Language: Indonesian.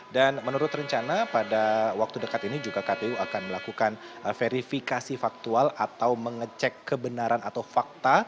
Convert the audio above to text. dan menurut rencana pada waktu dekat ini juga kpu akan melakukan verifikasi faktual atau mengecek kebenaran atau fakta